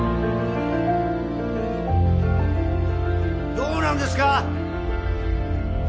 どうなんですか！